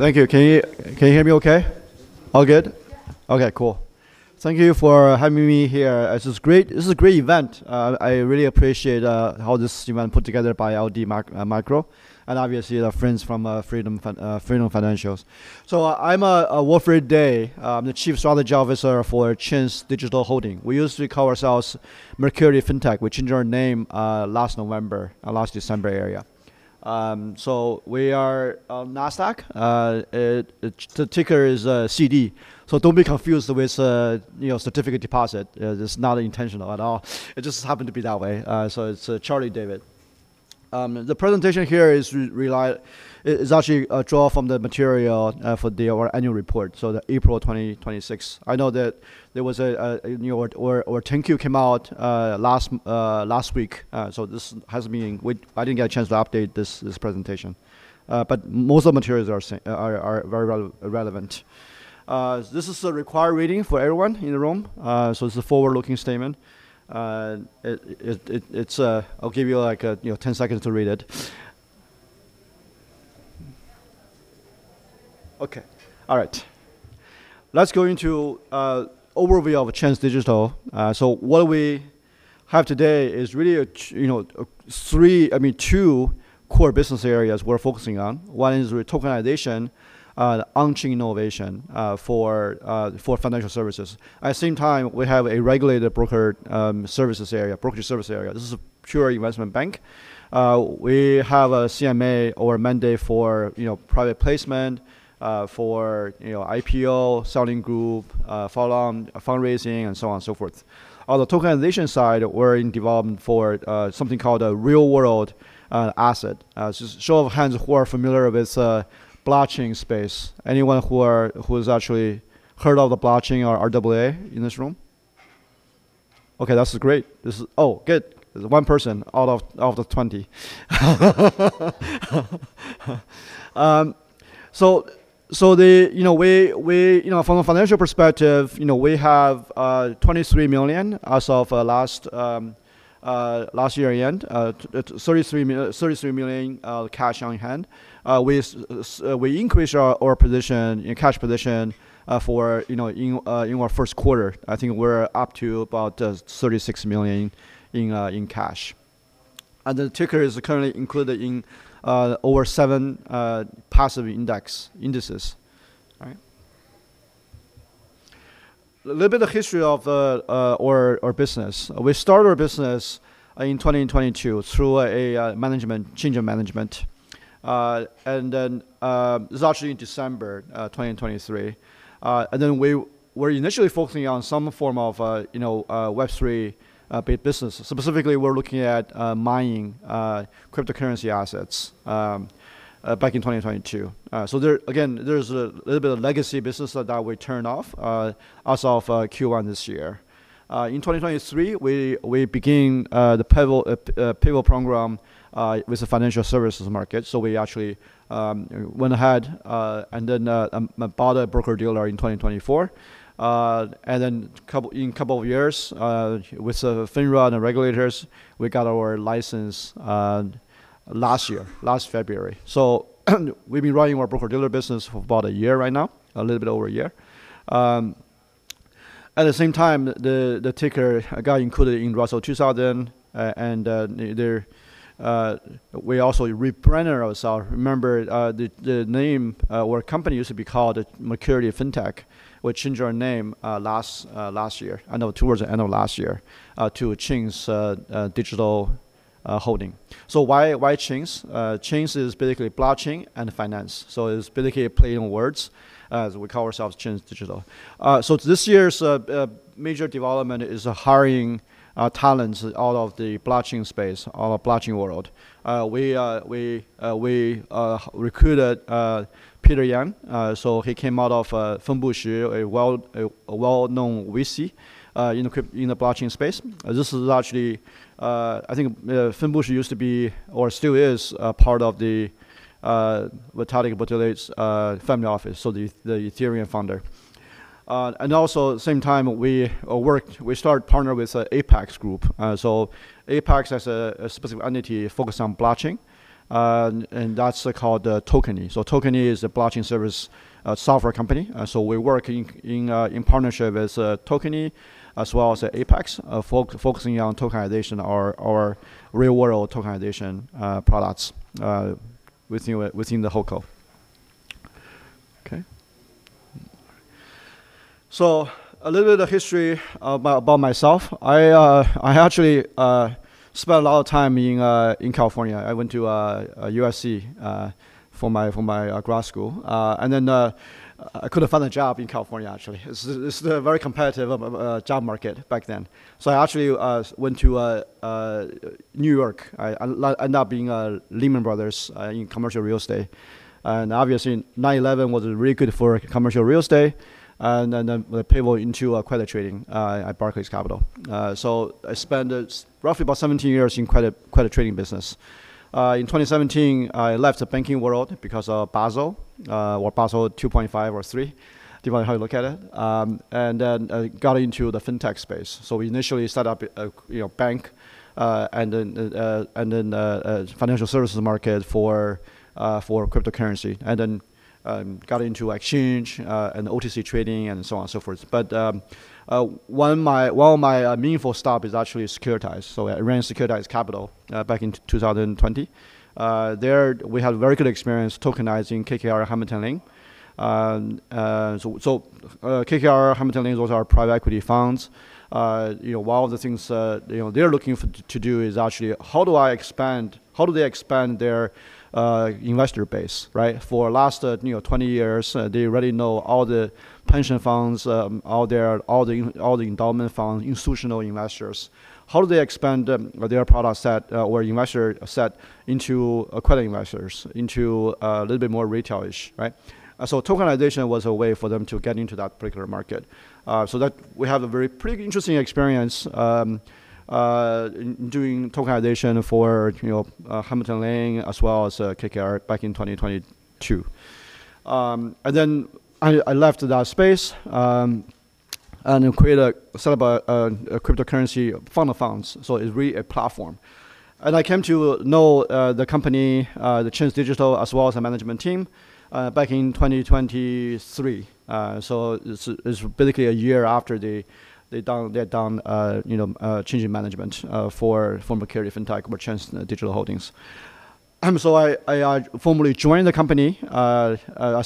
Thank you. Can you hear me okay? All good? Yeah. Okay, cool. Thank you for having me here. This is great. This is a great event. I really appreciate how this event put together by LD Micro, and obviously our friends from Freedom Financials. I'm Wilfred Daye. I'm the Chief Strategy Officer for Chaince Digital Holding. We used to call ourselves Mercurity Fintech. We changed our name last November, last December area. We are Nasdaq. The ticker is CD, so don't be confused with, you know, certificate deposit. That's not intentional at all. It just happened to be that way. It's Charlie, David. The presentation here is It is actually draw from the material for our annual report, so the April 2026. I know that there was a, you know, or 10-Q came out last week. I didn't get a chance to update this presentation. Most of the materials are same, are very relevant. This is a required reading for everyone in the room. It's a forward-looking statement. It's I'll give you, like, you know, 10 seconds to read it. Okay. All right. Let's go into overview of Chaince Digital. What we have today is really a, you know, a three, I mean, two core business areas we're focusing on. 1 is tokenization, on-chain innovation for financial services. At the same time, we have a regulated broker, services area, brokerage service area. This is a pure investment bank. We have a CMA or mandate for, you know, private placement, for, you know, IPO, selling group, follow on fundraising, and so on and so forth. On the tokenization side, we're in development for something called a Real-World Asset. Just show of hands who are familiar with blockchain space. Anyone who has actually heard of the blockchain or RWA in this room? Okay, that's great. This is good. One person out of the 20. The, you know, we, you know, from a financial perspective, you know, we have $23 million as of last year end. $33 million cash on hand. We increased our position, in cash position, for in our first quarter. I think we're up to about $36 million in cash. The ticker is currently included in over seven passive indices. All right. A little bit of history of our business. We started our business in 2022 through a change of management. It's actually in December 2023. We were initially focusing on some form of Web3 based business. Specifically, we're looking at mining cryptocurrency assets back in 2022. There, again, there's a little bit of legacy business that we turned off as of Q1 this year. In 2023, we begin the pivot program with the financial services market. We actually went ahead and bought a broker-dealer in 2024. In couple of years, with the FINRA and the regulators, we got our license last year, last February. We've been running our broker-dealer business for about a year right now, a little bit over a year. At the same time, the ticker got included in Russell 2000, and we also rebranded ourself. Remember, the name our company used to be called Mercurity Fintech. We changed our name last year, I know towards the end of last year, to Chaince Digital Holding. Why Chaince? Chaince is basically blockchain and finance. It's basically a play on words, as we call ourselves Chaince Digital. This year's major development is hiring talents out of the blockchain space or blockchain world. We recruited Peter Yang. He came out of Fenbushi, a well-known VC in the blockchain space. This is actually, I think, Fenbushi used to be or still is a part of the Vitalik Buterin's family office, so the Ethereum founder. Also at the same time we started partner with Apex Group. Apex has a specific entity focused on blockchain, and that's called Tokeny. Tokeny is a blockchain service software company. We're working in partnership with Tokeny as well as Apex, focusing on tokenization or real-world tokenization products within the whole co. A little bit of history about myself. I actually spent a lot of time in California. I went to USC for my grad school. I couldn't find a job in California, actually. It's a very competitive job market back then. I actually went to New York. I end up being Lehman Brothers in commercial real estate. Obviously, 9/11 was really good for commercial real estate. Pivot into credit trading at Barclays Capital. I spent roughly about 17 years in credit trading business. In 2017, I left the banking world because of Basel, or Basel 2.5 or 3, depending on how you look at it. I got into the fintech space. We initially set up a, you know, bank, and then a financial services market for cryptocurrency, and then got into exchange and OTC trading and so on and so forth. One of my meaningful stop is actually Securitize. I ran Securitize Capital back in 2020. There we had very good experience tokenizing KKR, Hamilton Lane. KKR, Hamilton Lane, those are private equity funds. You know, one of the things, you know, they're looking to do is how do they expand their investor base, right? For last, you know, 20 years, they already know all the pension funds, all the endowment funds, institutional investors. How do they expand their product set or investor set into accredited investors, into a little bit more retail-ish, right? Tokenization was a way for them to get into that particular market. That we have a very pretty interesting experience in doing tokenization for, you know, Hamilton Lane as well as KKR back in 2022. Then I left that space and created a sort of a cryptocurrency fund of funds, so it's really a platform. I came to know the company, Chaince Digital, as well as the management team, back in 2023. It's basically a year after they're done, you know, changing management for former Cardiff Fintech with Chaince Digital Holdings. I formally joined the company as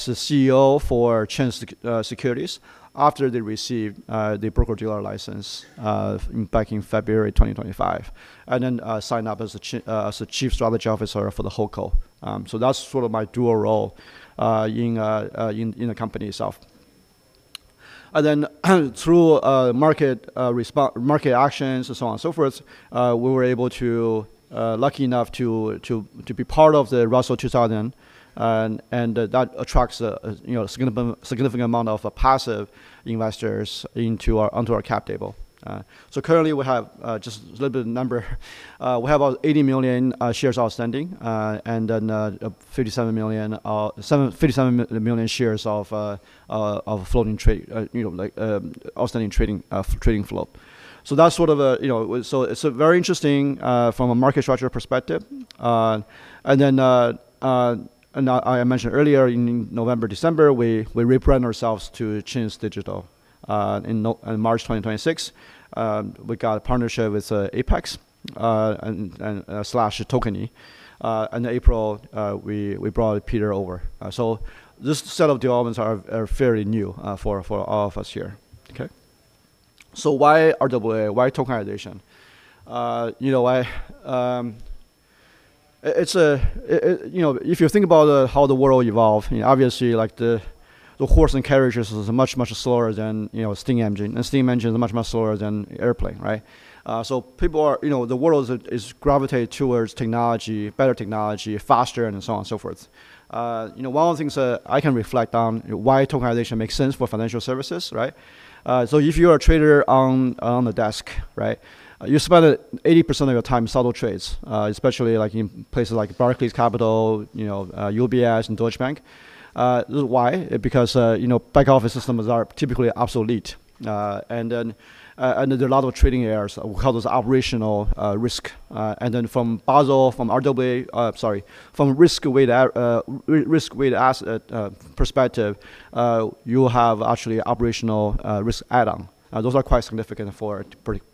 the CEO for Chaince Securities after they received the broker-dealer license back in February 2025, and then signed up as a Chief Strategy Officer for the whole co. That's sort of my dual role in the company itself. Through market actions and so on and so forth, we were able to lucky enough to be part of the Russell 2000, and that attracts a significant amount of passive investors onto our cap table. Currently we have just a little bit of number. We have about 80 million shares outstanding, and then 57 million shares of floating trade, you know, like outstanding trading trading flow. It's very interesting from a market structure perspective. I mentioned earlier in November, December, we rebranded ourselves to Chaince Digital. In March 2026, we got a partnership with Apex and slash Tokeny. In April, we brought Peter over. This set of developments are fairly new for all of us here. Why RWA? Why tokenization? You know, It's, you know, if you think about how the world evolved, you know, obviously like the horse and carriages is much slower than, you know, a steam engine, and steam engine is much slower than airplane, right? You know, the world is gravitated towards technology, better technology, faster and so on and so forth. You know, one of the things that I can reflect on why tokenization makes sense for financial services, right? If you are a trader on the desk, right? You spend 80% of your time settle trades, especially like in places like Barclays Capital, you know, UBS and Deutsche Bank. Why? You know, back office systems are typically obsolete. There are a lot of trading errors. We call those operational risk. From Basel, from RWA, sorry, from risk-weighted asset perspective, you have actually operational risk add on. Those are quite significant for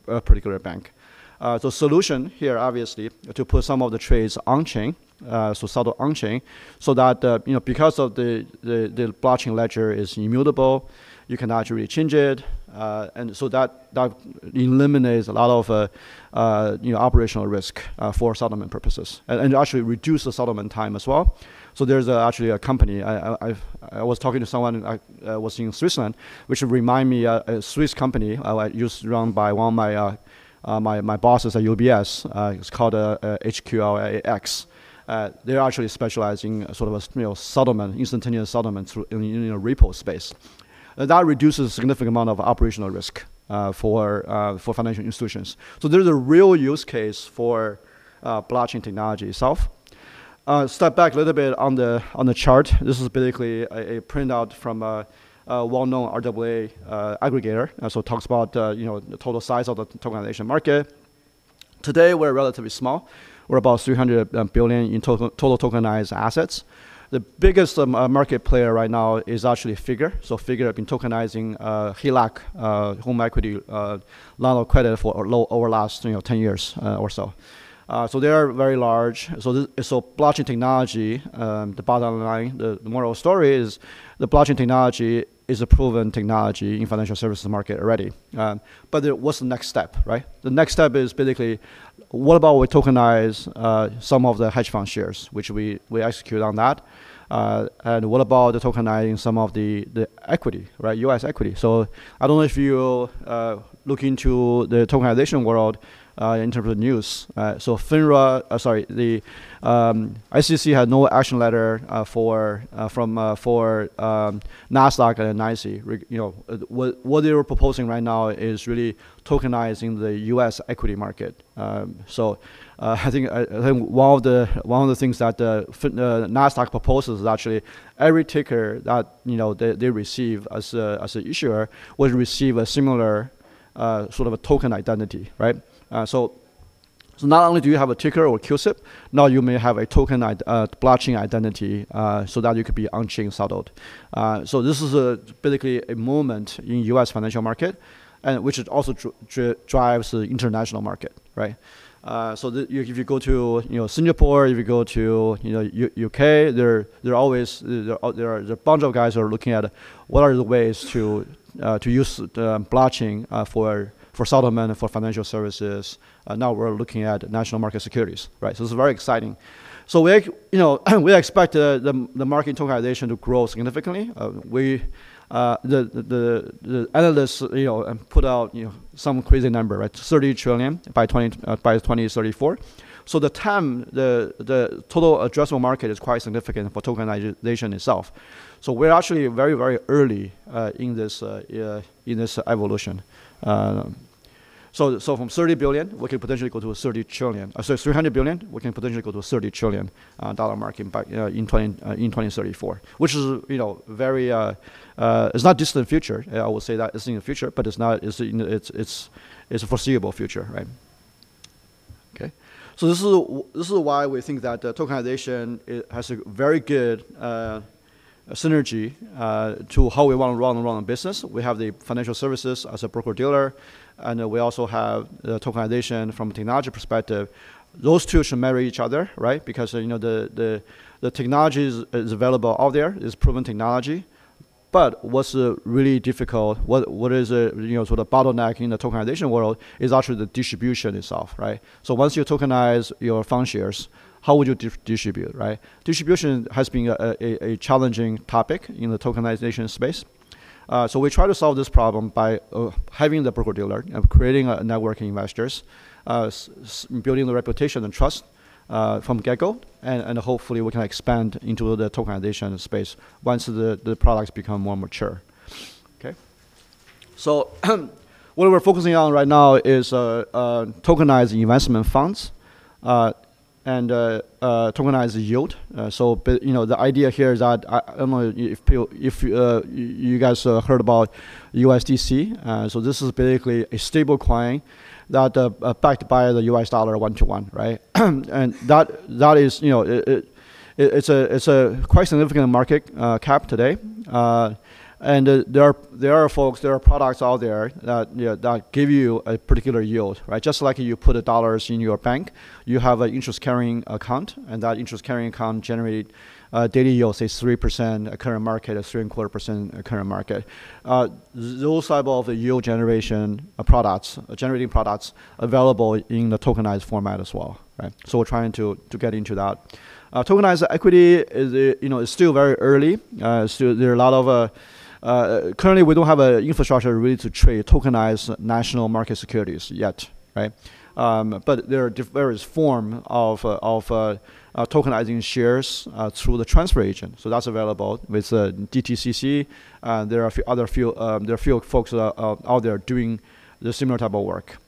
a particular bank. The solution here, obviously, to put some of the trades on-chain, so settle on-chain, so that, you know, because of the blockchain ledger is immutable, you cannot really change it. That eliminates a lot of, you know, operational risk for settlement purposes, and actually reduce the settlement time as well. There's actually a company. I was talking to someone I was seeing in Switzerland, which remind me a Swiss company, used to run by one of my bosses at UBS. It's called HQLAx. They're actually specializing sort of a, you know, settlement, instantaneous settlement in, you know, repo space. That reduces a significant amount of operational risk for financial institutions. There's a real use case for blockchain technology itself. Step back a little bit on the chart. This is basically a printout from a well-known RWA aggregator. It talks about, you know, the total size of the tokenization market. Today, we're relatively small. We're about $300 billion in total tokenized assets. The biggest market player right now is actually Figure. Figure have been tokenizing HELOC, home equity, line of credit for a little over the last, you know, 10 years or so. They are very large. Blockchain technology, the bottom line, the moral of the story is the blockchain technology is a proven technology in financial services market already. What's the next step, right? The next step is basically, what about we tokenize some of the hedge fund shares, which we execute on that. What about tokenizing some of the equity, right? U.S. equity. I don't know if you look into the tokenization world in terms of news. The SEC had no-action letter from Nasdaq and NYSE. You know, what they were proposing right now is really tokenizing the U.S. equity market. I think one of the things that Nasdaq proposes is actually every ticker that, you know, they receive as an issuer will receive a similar sort of a token identity, right? Not only do you have a ticker or CUSIP, now you may have a token blockchain identity so that you could be on-chain settled. This is basically a moment in U.S. financial market, and which it also drives the international market, right? If you go to, you know, Singapore, if you go to, you know, U.K., there are always There are a bunch of guys who are looking at what are the ways to use the blockchain for settlement and for financial services. Now we're looking at national market securities, right? This is very exciting. We're, you know, we expect the market tokenization to grow significantly. We The analysts, you know, put out, you know, some crazy number, right? $30 trillion by 2034. The TAM, the total addressable market is quite significant for tokenization itself. We're actually very, very early in this evolution. From $30 billion, we can potentially go to a $30 trillion. Sorry, $300 billion, we can potentially go to a $30 trillion dollar market by in 2034, which is, you know. It's not distant future. I would say that it's near future, you know, it's a foreseeable future, right? Okay. This is why we think that tokenization, it has a very good synergy to how we want to run our own business. We have the financial services as a broker-dealer, and we also have the tokenization from a technology perspective. Those two should marry each other, right? You know, the technology is available out there. It's proven technology. What's really difficult, what is, you know, sort of bottleneck in the tokenization world is actually the distribution itself, right? Once you tokenize your fund shares, how would you distribute, right? Distribution has been a challenging topic in the tokenization space. We try to solve this problem by having the broker-dealer, creating a network investors, building the reputation and trust from the get-go, and hopefully we can expand into the tokenization space once the products become more mature. Okay. What we're focusing on right now is tokenizing investment funds, and tokenized yield. You know, the idea here is that I don't know if you guys have heard about USDC. This is basically a stablecoin that backed by the U.S. dollar 1:1, right? That, that is, you know, it, it's a, it's a quite significant market cap today. There, there are folks, there are products out there that, you know, that give you a particular yield, right? Just like you put dollars in your bank, you have an interest-carrying account, and that interest-carrying account generate a daily yield, say 3%, current market is 3.25% current market. Those type of yield generation products, generating products available in the tokenized format as well, right? We're trying to get into that. Tokenized equity is, you know, is still very early. There are a lot of Currently, we don't have a infrastructure really to trade tokenized national market securities yet, right? There are various form of tokenizing shares through the transfer agent. That's available with DTCC. There are a few folks that are out there doing the similar type of work.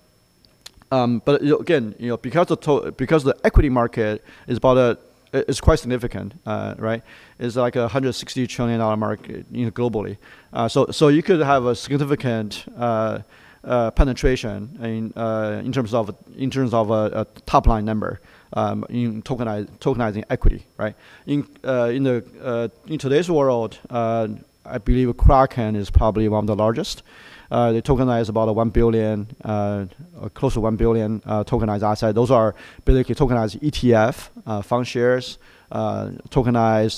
Again, you know, because the equity market is quite significant, right? It's like $160 trillion market, you know, globally. You could have a significant penetration in in terms of in terms of a top-line number in tokenizing equity, right? In today's world, I believe Kraken is probably one of the largest. They tokenize about 1 billion, close to 1 billion tokenized asset. Those are basically tokenized ETF fund shares, tokenized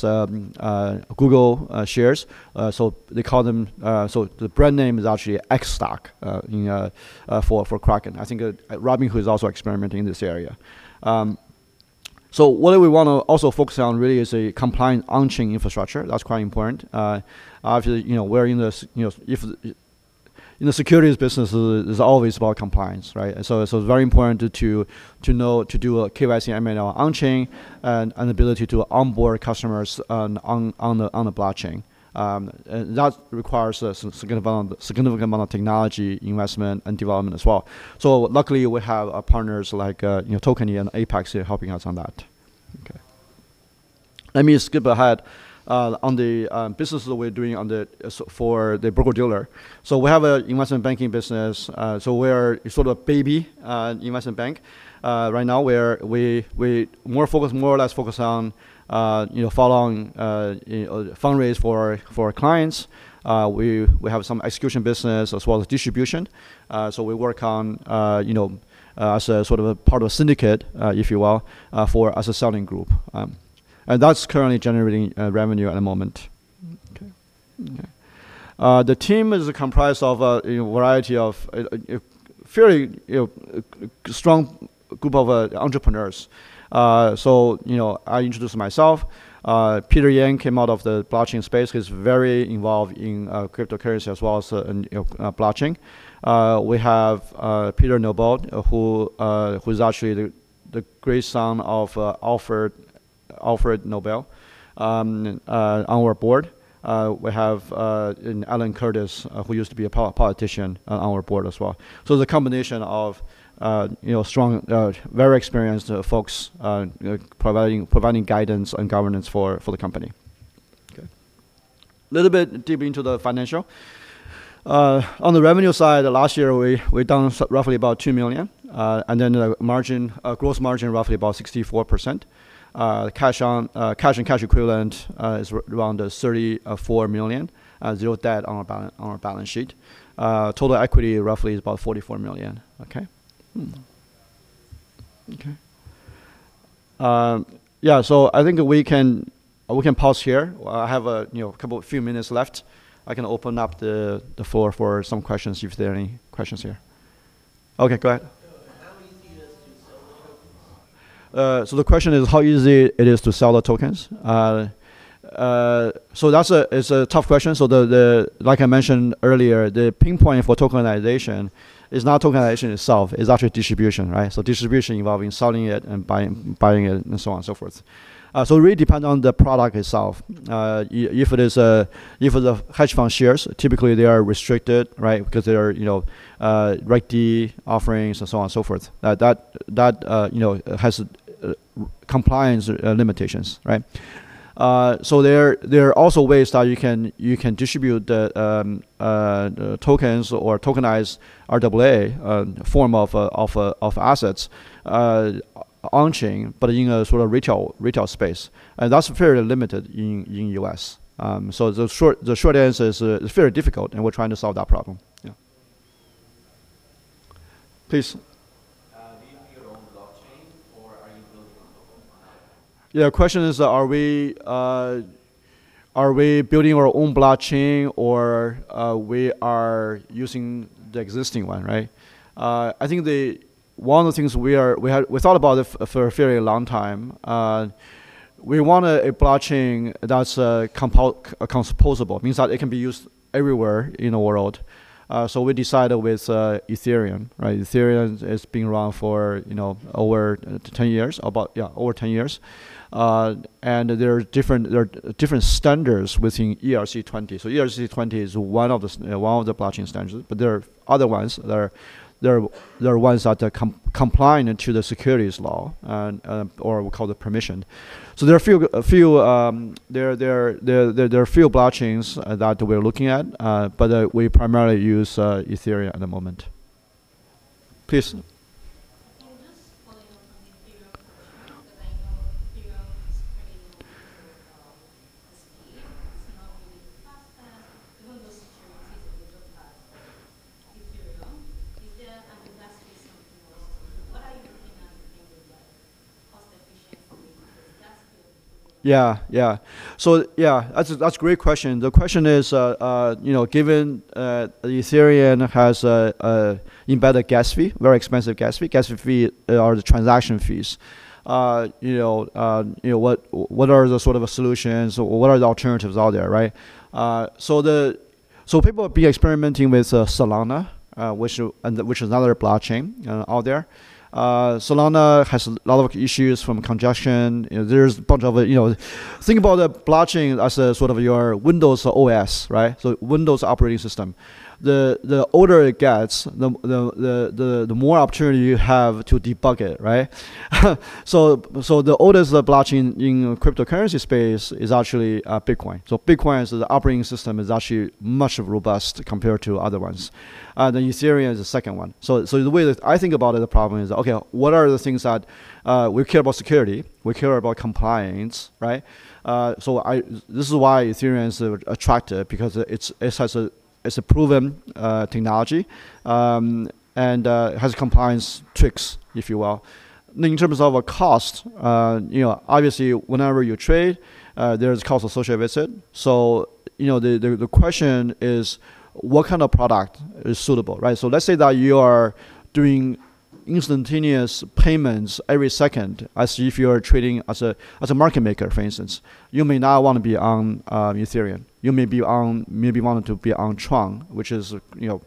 Google shares. The brand name is actually xStocks, you know, for Kraken. I think Robinhood is also experimenting in this area. What do we wanna also focus on really is a compliant on-chain infrastructure. That's quite important. Obviously, you know, we're in this, you know, in the securities business, it's always about compliance, right? It's very important to do a KYC, AML on-chain and an ability to onboard customers on the blockchain. That requires a significant amount of technology investment and development as well. Luckily, we have partners like, you know, Tokeny and Apex Group here helping us on that. Let me skip ahead on the business that we're doing for the broker-dealer. We have a investment banking business. We're sort of baby investment bank. Right now, we're more focused, more or less focused on, you know, following, you know, fundraise for our clients. We have some execution business as well as distribution. We work on, you know, as a sort of a part of syndicate, if you will, for, as a selling group. That's currently generating revenue at the moment. Okay. The team is comprised of a, you know, variety of a very, you know, strong group of entrepreneurs. You know, I introduced myself. Peter Yang came out of the blockchain space. He's very involved in cryptocurrency as well as in blockchain. We have Peter Nobel, who's actually the great son of Alfred Nobel on our board. We have an Alan Curtis, who used to be a politician on our board as well. The combination of strong, very experienced folks providing guidance and governance for the company. Little bit deep into the financial. On the revenue side, last year we done roughly about $2 million. And then the margin, gross margin roughly about 64%. The cash on cash and cash equivalent is around $34 million. Zero debt on our balance sheet. Total equity roughly is about $44 million. Okay? Okay. Yeah, I think we can pause here. I have a, you know, few minutes left. I can open up the floor for some questions if there are any questions here. Okay, go ahead. How easy it is to sell the tokens? The question is how easy it is to sell the tokens. That's a, it's a tough question. Like I mentioned earlier, the pinpoint for tokenization is not tokenization itself, it's actually distribution, right? Distribution involving selling it and buying it and so on and so forth. It really depend on the product itself. If it is, if it's a hedge fund shares, typically they are restricted, right? Because they are, you know, Regulation D offerings and so on and so forth. That, you know, has compliance limitations, right? There are also ways that you can distribute the tokens or tokenize RWA form of assets on-chain, but in a sort of retail space. That's fairly limited in U.S. The short answer is it's very difficult, and we're trying to solve that problem. Yeah. Please. Do you have your own blockchain or are you building on top of someone else's? Yeah, question is are we building our own blockchain or we are using the existing one, right? I think one of the things we thought about it for a fairly long time. We want a blockchain that's composable. Means that it can be used everywhere in the world. We decided with Ethereum, right? Ethereum has been around for, you know, over 10 years. There are different standards within ERC-20. ERC-20 is one of the blockchain standards, but there are other ones that are compliant into the securities law and or we call it permissioned. There are few blockchains that we're looking at, but we primarily use Ethereum at the moment. Please. Just following up on the Ethereum question, 'cause I know Ethereum is pretty known for the speed. It's not really the fastest. Even those securities that you look at Ethereum, is there, and the gas fee is something else. What are you looking at in terms of cost efficiency with the gas fee? Yeah, yeah. Yeah, that's a great question. The question is, you know, given Ethereum has a embedded gas fee, very expensive gas fee. Gas fee are the transaction fees. You know, you know, what are the sort of solutions or what are the alternatives out there, right? People will be experimenting with Solana, which is another blockchain out there. Solana has a lot of issues from congestion. You know, there's a bunch of, you know. Think about the blockchain as a sort of your Windows OS, right? Windows operating system. The older it gets, the more opportunity you have to debug it, right? The oldest blockchain in cryptocurrency space is actually Bitcoin. Bitcoin's the operating system is actually much robust compared to other ones. Ethereum is the second one. The way that I think about it, the problem is, okay, what are the things that we care about security, we care about compliance, right? This is why Ethereum is attractive because it's, it has a, it's a proven technology, and has compliance tricks, if you will. In terms of a cost, you know, obviously whenever you trade, there's cost associated with it. You know, the question is what kind of product is suitable, right? Let's say that you are doing instantaneous payments every second as if you are trading as a market maker, for instance. You may not wanna be on Ethereum. You may be on, maybe wanted to be on Tron, which is, you know,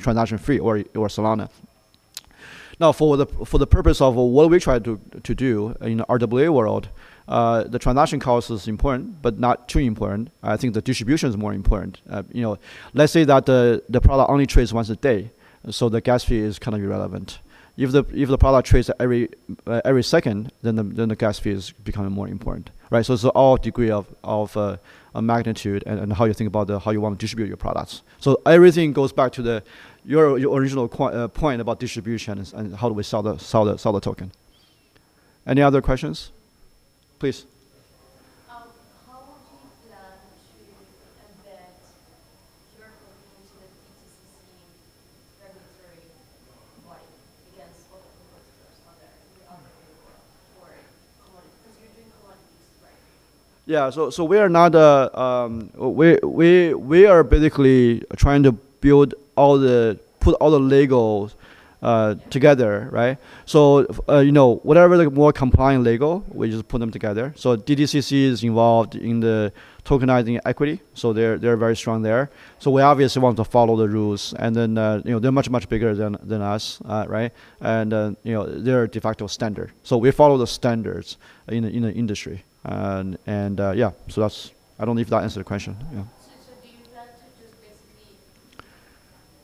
transaction free or Solana. For the purpose of what we try to do in RWA world, the transaction cost is important, but not too important. I think the distribution is more important. You know, let's say that the product only trades once a day, the gas fee is kind of irrelevant. If the product trades every second, the gas fee is becoming more important, right? It's all degree of a magnitude and how you think about how you want to distribute your products. Everything goes back to your original point about distribution and how do we sell the token. Any other questions? Please. How would you plan to embed your token into the DTCC registry, like against all the competitors out there in the other regulatory commodities? 'Cause you're doing commodities, right? Yeah. We are basically trying to build all the, put all the Legos together, right? You know, whatever the more compliant Lego, we just put them together. DTCC is involved in the tokenizing equity, they're very strong there. We obviously want to follow the rules and then, you know, they're much bigger than us, right? You know, they're a de facto standard. We follow the standards in the industry. Yeah, I don't know if that answered the question. Yeah. Do you plan to just basically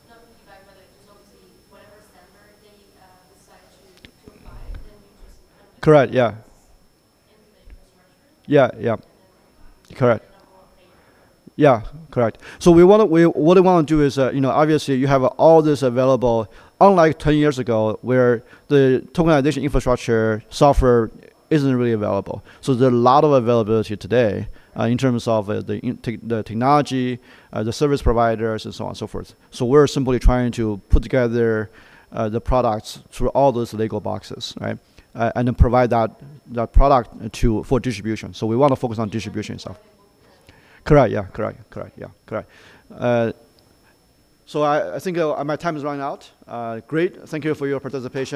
Just obviously whatever standard they decide to apply, then you just. Correct, yeah. in the infrastructure- Yeah, yeah. Correct. Then work later? Yeah, correct. What we wanna do is, you know, obviously you have all this available, unlike 10 years ago, where the tokenization infrastructure software isn't really available. There's a lot of availability today in terms of the technology, the service providers and so on and so forth. We're simply trying to put together the products through all those Lego boxes, right? Provide that product to, for distribution. We wanna focus on distribution itself. Correct, yeah. Correct. Correct. Yeah. Correct. I think my time has run out. Great. Thank you for your participation.